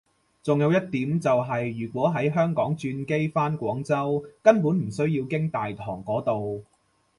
仲有一點就係如果喺香港轉機返廣州根本唔需要經大堂嗰度